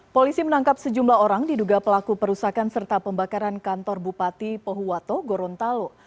polisi menangkap sejumlah orang diduga pelaku perusakan serta pembakaran kantor bupati pohuwato gorontalo